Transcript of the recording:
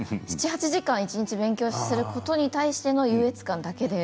７、８時間一日勉強することに対しての優越感だけで